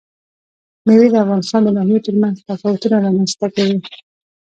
مېوې د افغانستان د ناحیو ترمنځ تفاوتونه رامنځ ته کوي.